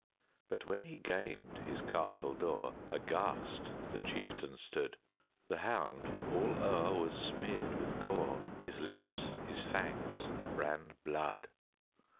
But, when he gained his castle door, Aghast the chieftain stood; The hound all o'er was smeared with gore, His lips, his fangs, ran blood.